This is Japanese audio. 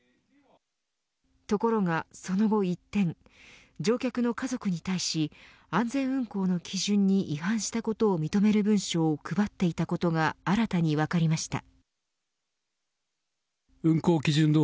ところがその後一転乗客の家族に対し安全運航の基準に違反したことを認める文書を配っていたことが新たに分かりました。